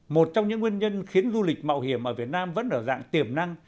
một trong những nguyên nhân khiến du lịch mạo hiểm ở việt nam vẫn ở dạng tiềm năng